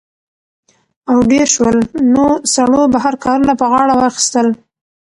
او ډېر شول؛ نو سړو بهر کارونه په غاړه واخىستل